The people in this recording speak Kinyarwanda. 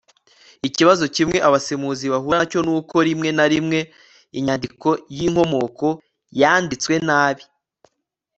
Ikibazo kimwe abasemuzi bahura nacyo nuko rimwe na rimwe inyandiko yinkomoko yanditswe nabi